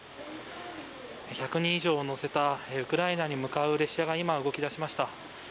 １００人以上を乗せたウクライナに向かう列車が動き出しました。